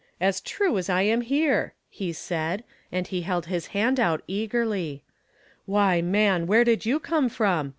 as true as I am here," he said, and he held his hand out eagerly. " Why, man, where do you come from?